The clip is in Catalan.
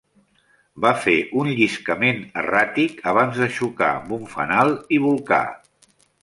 Va fer un lliscament erràtic abans de xocar amb un fanal i bolcar.